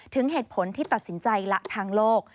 ถึงเหตุผลที่ตัดสินใจละทางโลก